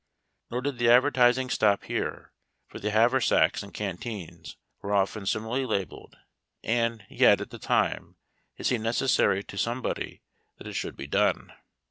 Nor did the advertising stop here, for the haversacks and canteens were often similarly labelled, and yet, at the time, it seemed necessary to somebody that it should be done.